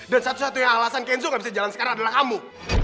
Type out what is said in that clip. dan satu satunya alasan kenzo nggak bisa jalan sekarang adalah kamu